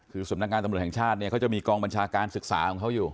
คือสำนักงานตำรวจแห่งชาติเนี่ยเขาจะมีกองบัญชาการศึกษาของเขาอยู่